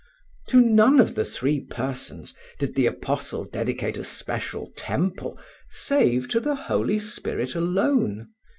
To none of the three Persons did the apostle dedicate a special temple save to the Holy Spirit alone.